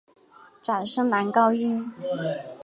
假声男高音。